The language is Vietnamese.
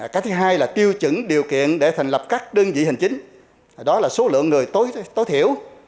cái thứ hai là tiêu chứng điều kiện để thành lập các đơn vị hành chính đó là số lượng người tối thiểu